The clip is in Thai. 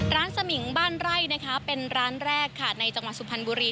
สมิงบ้านไร่นะคะเป็นร้านแรกค่ะในจังหวัดสุพรรณบุรี